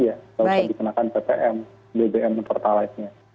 tidak usah dikenakan ppm bbm dan pertalatnya